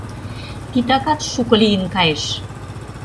Титакат шуко лийын кайыш.